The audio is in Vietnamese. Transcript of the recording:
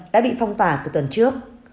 đã bị phong tỏa từ tuần trước